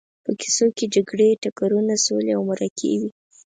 په کیسو کې جګړې، ټکرونه، سولې او مرکې وي.